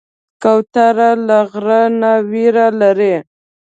کوتره له غره نه ویره لري.